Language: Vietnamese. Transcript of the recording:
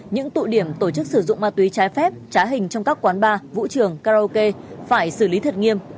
những tụ điểm tổ chức sử dụng ma túy trái phép trá hình trong các quán bar vũ trường karaoke phải xử lý thật nghiêm